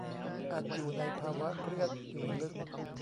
อาจอยู่ในภาวะเครียดอยู่ลึก